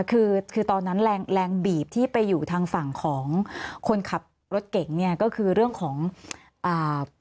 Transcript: คือคือตอนนั้นแรงแรงบีบที่ไปอยู่ทางฝั่งของคนขับรถเก่งเนี่ยก็คือเรื่องของอ่า